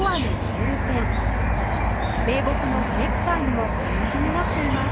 銘木のコレクターにも人気になっています